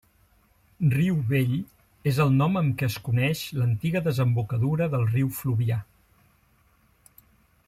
Riu Vell és el nom amb què es coneix l'antiga desembocadura del riu Fluvià.